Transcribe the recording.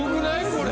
これ。